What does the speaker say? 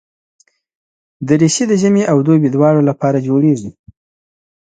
دریشي د ژمي او دوبي دواړو لپاره جوړېږي.